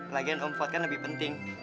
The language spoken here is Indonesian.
lagian om fuad kan lebih penting